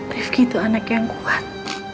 rifki itu anak yang kuat